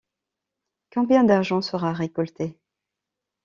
Combien d’argent sera récolté?